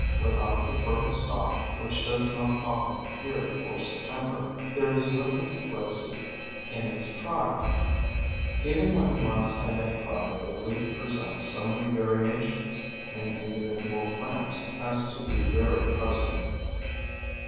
Without the fer tile stalk, which does not often appear before September, there is little to place it in its tribe. Even when once identi fied, the leaf presents so many variations in individual plants as to be very puzzling.